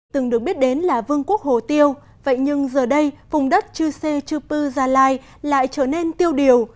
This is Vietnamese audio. từng được biết đến là vương quốc hồ tiêu vậy nhưng giờ đây vùng đất chư sê chư pư gia lai lại trở nên tiêu điều